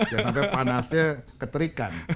jangan sampai panasnya keterikan